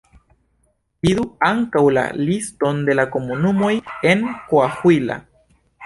Vidu ankaŭ la liston de komunumoj en Coahuila.